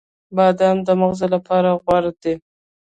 • بادام د مغزو لپاره غوره دی.